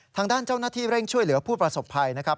ทางด้านเจ้าหน้าที่เร่งช่วยเหลือผู้ประสบภัยนะครับ